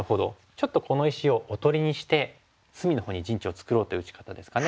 ちょっとこの石をおとりにして隅のほうに陣地を作ろうという打ち方ですかね。